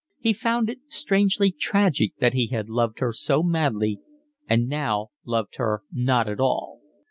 He found it strangely tragic that he had loved her so madly and now loved her not at all.